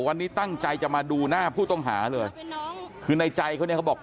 วันนี้ตั้งใจจะมาดูหน้าผู้ต้องหาเลยคือในใจเขาเนี่ยเขาบอก